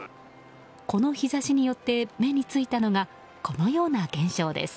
この日差しによって目についたのがこのような現象です。